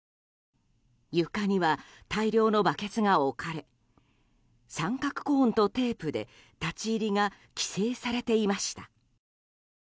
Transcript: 床には大量のバケツが置かれ三角コーンとテープで立ち入りが規制されていました。